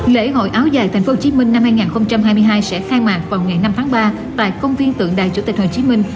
lễ hội áo dài tp hcm năm hai nghìn hai mươi hai sẽ khai mạc vào ngày năm tháng ba tại công viên tượng đài chủ tịch hồ chí minh